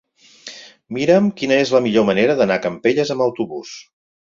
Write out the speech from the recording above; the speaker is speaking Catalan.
Mira'm quina és la millor manera d'anar a Campelles amb autobús.